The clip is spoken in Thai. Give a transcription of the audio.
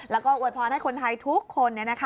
แล้วก็อวยพรให้คนไทยทุกคน